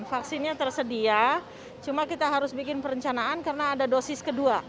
vaksinnya tersedia cuma kita harus bikin perencanaan karena ada dosis kedua